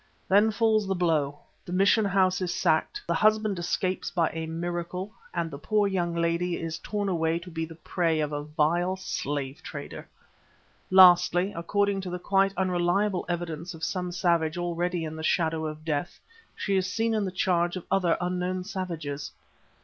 Then falls the blow; the mission house is sacked, the husband escapes by a miracle and the poor young lady is torn away to be the prey of a vile slave trader. Lastly, according to the quite unreliable evidence of some savage already in the shadow of death, she is seen in the charge of other unknown savages.